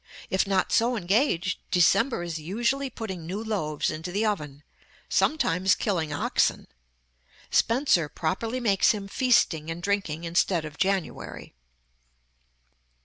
If not so engaged, December is usually putting new loaves into the oven; sometimes killing oxen. Spenser properly makes him feasting and drinking instead of January.